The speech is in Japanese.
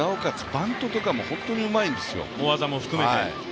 バントとかも本当にうまいんですよ。